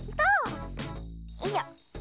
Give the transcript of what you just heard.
よいしょ。